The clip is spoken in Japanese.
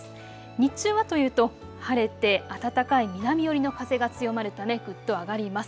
日中はというと晴れて暖かい南寄りの風が強まるためぐっと上がります。